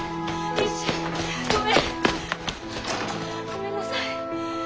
ごめんなさい。